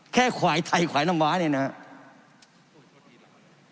ควายไทยขวายน้ำม้าเนี่ยนะครับ